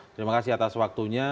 terima kasih atas waktunya